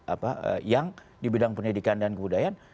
apa yang di bidang pendidikan dan kebudayaan